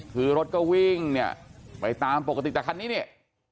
คือรถก็วิ่งเนี่ยไปตามปกติแต่คันนี้เนี่ย